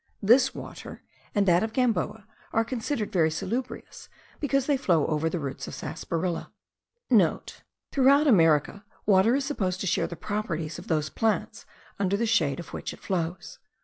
This water and that of Gamboa are considered very salubrious, because they flow over the roots of sarsaparilla.* (* Throughout America water is supposed to share the properties of those plants under the shade of which it flows.